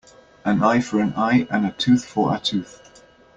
An eye for an eye and a tooth for a tooth.